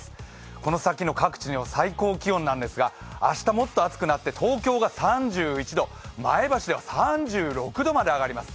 この先の各地の最高気温なんですが、明日もっと暑くなって東京が３１度、前橋では３６度まで上がります。